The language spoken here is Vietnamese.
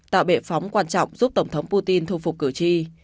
tạo bệ phóng quan trọng giúp tổng thống putin thu phục cử tri